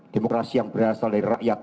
demokrasi yang berasal dari rakyat